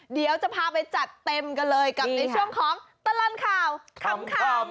เดี๋ยวจะพาไปจัดเต็มกันเลยกับในช่วงของตลอดข่าวขำ